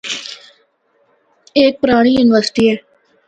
اے ہک پرانڑی یونیورسٹی ہے۔